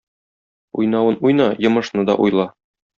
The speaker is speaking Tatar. Уйнавын уйна, йомышны да уйла.